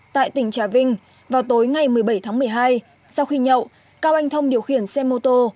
tại tỉnh trà vinh vào tối ngày một mươi bảy tháng một mươi hai sau khi nhậu cao anh thông điều khiển xe mô tô